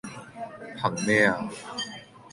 憑咩呀?